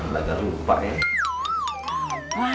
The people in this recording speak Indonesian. jangan lupa ya